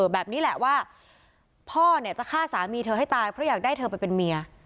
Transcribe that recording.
แบบนี้แหละว่าพ่อเนี่ยจะฆ่าสามีเธอให้ตายเพราะอยากได้เธอไปเป็นเมีย